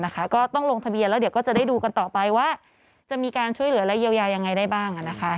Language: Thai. ก็ต้องลงทะเบียนแล้วเดี๋ยวก็จะได้ดูกันต่อไปว่าจะมีการช่วยเหลือและเยียวยายังไงได้บ้าง